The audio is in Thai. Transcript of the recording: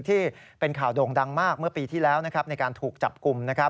ที่เป็นข่าวโด่งดังมากเมื่อปีที่แล้วในการถูกจับกลุ่ม